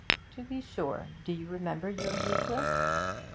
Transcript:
'To be sure. Do you remember your Euclid?'